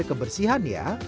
biar kebersihan ya